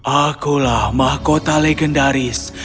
akulah mahkota legendaris